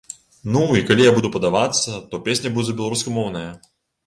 Ну, і калі я буду падавацца, то песня будзе беларускамоўная.